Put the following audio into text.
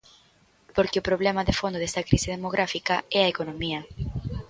Porque o problema de fondo desta crise demográfica é a economía.